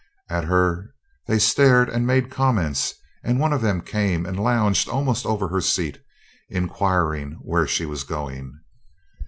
At her they stared and made comments, and one of them came and lounged almost over her seat, inquiring where she was going.